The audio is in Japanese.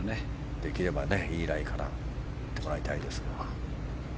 できれば、いいライから打ってもらいたいですが。